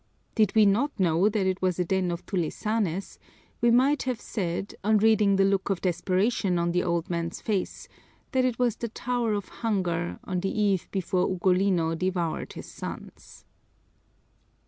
Did we not know that it was a den of tulisanes we might have said, on reading the look of desperation in the old man's face, that it was the Tower of Hunger on the eve before Ugolino devoured his sons.